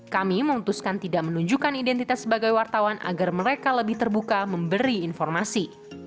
kami memutuskan tidak menunjukkan identitas sebagai wartawan agar mereka lebih terbuka memberi informasi